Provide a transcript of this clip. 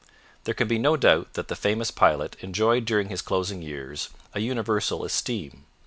There can be no doubt that the famous pilot enjoyed during his closing years a universal esteem.